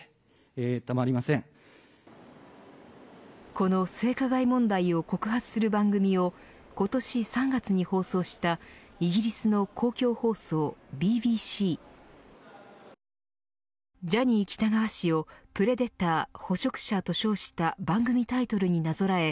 この性加害問題を告発する番組を今年３月に放送したイギリスの公共放送ＢＢＣジャニー喜多川氏をプレデター＝捕食者と称した番組タイトルになぞらえ